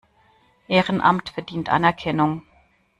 Ehrenamt verdient Anerkennung.